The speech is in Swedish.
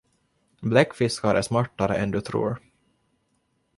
Bläckfiskar är smartare än du tror!